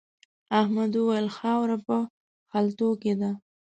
احمد وويل: خاوره په خلتو کې ده.